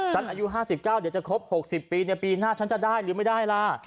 อายุ๕๙เดี๋ยวจะครบ๖๐ปีปีหน้าฉันจะได้หรือไม่ได้ล่ะ